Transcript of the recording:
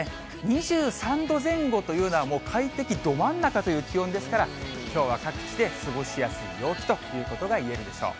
２３度前後というのは、もう快適ど真ん中という気温ですから、きょうは各地で過ごしやすい陽気ということがいえるでしょう。